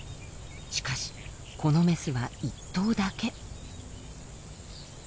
しかしこのメスは１頭だけ。